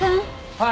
はい！